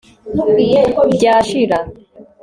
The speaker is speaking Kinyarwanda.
Byashira